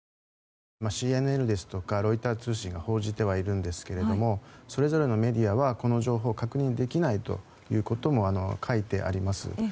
ＣＮＮですとかロイター通信が報じてはいるんですけれどもそれぞれのメディアはこの情報を確認できないということも書いてあります。